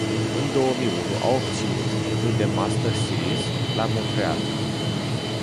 În două mii unu a obținut titlul de Master Series, la Montreal.